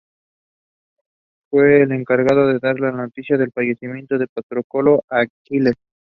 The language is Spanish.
Fue el encargado de dar la noticia del fallecimiento de Patroclo a Aquiles.